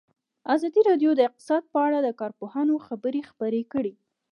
ازادي راډیو د اقتصاد په اړه د کارپوهانو خبرې خپرې کړي.